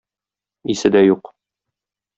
Исе дә юк.